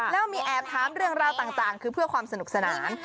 แล้วมีแอบถามเรื่องราวต่างคือเพื่อความสนุกสนาน